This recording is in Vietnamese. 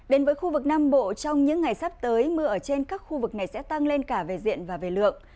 đến với khu vực nam bộ trong những ngày sắp tới mưa ở trên các khu vực này sẽ tăng lên cả về diện và về lượng